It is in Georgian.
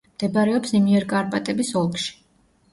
მდებარეობს იმიერკარპატების ოლქში.